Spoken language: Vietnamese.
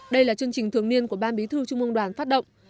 đây là chương trình thường niên của ban bí thư trung mương đoàn phát động